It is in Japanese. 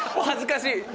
恥ずかしい。